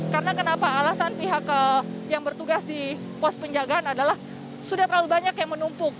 karena kenapa alasan pihak yang bertugas di pos penjagaan adalah sudah terlalu banyak yang menumpuk